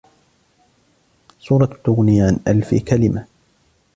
الصورة تُغْنِي عن ألف كلمة.